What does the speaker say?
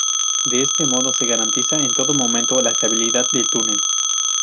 De este modo, se garantiza en todo momento la estabilidad del túnel.